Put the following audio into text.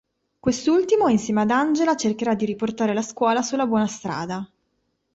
Quest'ultimo, insieme ad Angela, cercherà di riportare la scuola sulla buona strada.